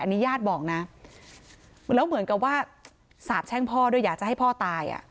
อันนี้ญาติบอกนะแล้วเหมือนกับว่าสาบแช่งพ่อด้วยอยากจะให้พ่อตายอ่ะ